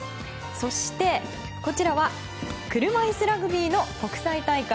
そして、こちらは車いすラグビーの国際大会。